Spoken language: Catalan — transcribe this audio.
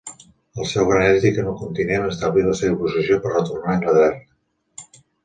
El seu gran èxit en el continent establí la seva posició per retornar a Anglaterra.